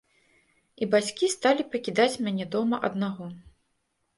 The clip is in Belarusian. І бацькі сталі пакідаць мяне дома аднаго.